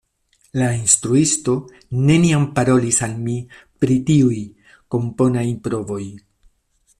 La instruisto neniam parolis al mi pri tiuj komponaj provoj.